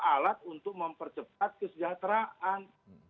alat untuk mempercepat kesejahteraan